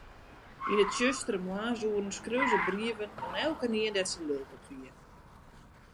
Yn 'e tsjustere moarnsoeren skreau se brieven oan elkenien dêr't se lilk op wie.